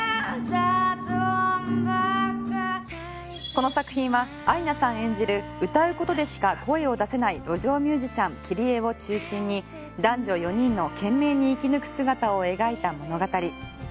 この作品はアイナさん演じる歌うことでしか声を出せない路上ミュージシャンキリエを中心に男女４人の懸命に生き抜く姿を描いた物語。